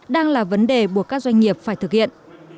đang là vấn đề buộc các doanh nghiệp phải thực hiện